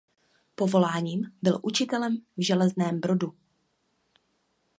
Povoláním byl učitelem v Železném Brodu.